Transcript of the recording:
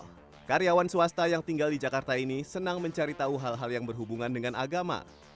karena karyawan swasta yang tinggal di jakarta ini senang mencari tahu hal hal yang berhubungan dengan agama